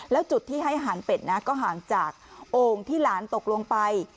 แล้วจุดที่ให้อาหารเป็ดนะก็ห่างจากโอ่งที่หลานตกลงไป